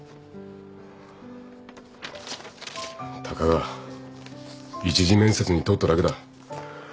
たかが一次面接に通っただけだ。